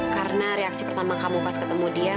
karena reaksi pertama kamu pas ketemu dia